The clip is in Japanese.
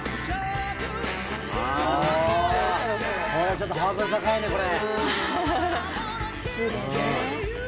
ちょっとハードル高いねこれ。